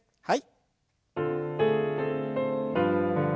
はい。